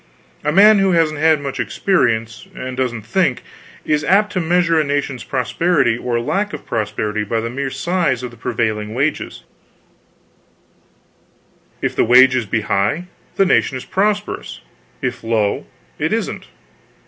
A man who hasn't had much experience, and doesn't think, is apt to measure a nation's prosperity or lack of prosperity by the mere size of the prevailing wages; if the wages be high, the nation is prosperous; if low, it isn't.